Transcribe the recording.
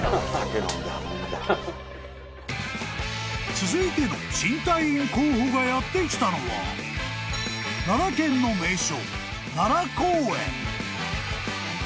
［続いての新隊員候補がやって来たのは奈良県の名所］